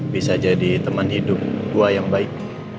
bisa jadi teman hidup gua yang baik